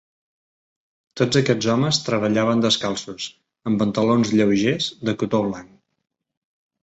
Tots aquests homes treballaven descalços, amb pantalons lleugers de cotó blanc.